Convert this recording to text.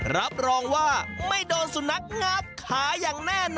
รับรองว่าไม่โดนสุนัขงับขาอย่างแน่นอน